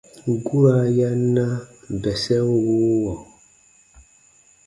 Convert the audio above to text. Guraa ya na bɛsɛn wuuwɔ.